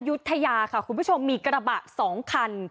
ยุธยาค่ะคุณผู้ชมมีกระบะ๒คัน